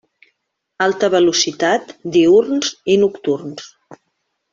Alta Velocitat, Diürns i Nocturns.